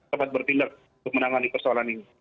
tempat bertindak untuk menangani persoalan ini